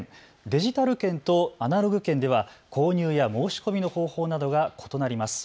デジタル券とアナログ券では購入や申し込みの方法などが異なります。